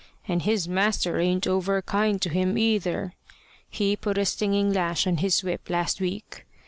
And his master ain't over kind to him either. He put a stinging lash on his whip last week.